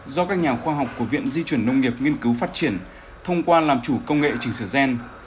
do các nhà khoa học của viện di chuyển nông nghiệp nghiên cứu phát triển thông qua làm chủ công nghệ trình sửa gen